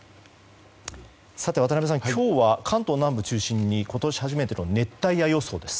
渡辺さん、今日は関東南部中心に今年初めての熱帯夜予想です。